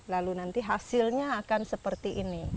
lalu nanti hasilnya akan seperti ini